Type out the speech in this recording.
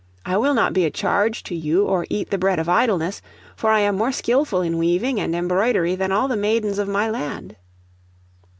I will not be a charge to you, or eat the bread of idleness; for I am more skilful in weaving and embroidery than all the maidens of my land.